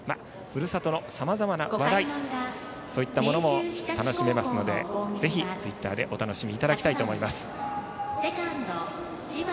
ふるさとのさまざまな話題そういったものも楽しめますのでぜひツイッターでお楽しみいただきたいと思います。